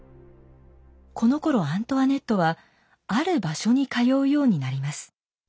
このころアントワネットはある場所に通うようになります。